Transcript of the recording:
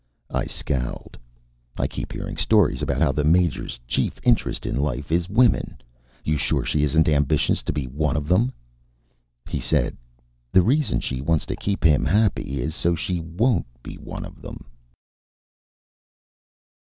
I scowled. "I keep hearing stories about how the Major's chief interest in life is women. You sure she isn't ambitious to be one of them?" He said: "The reason she wants to keep him happy is so she won't be one of them."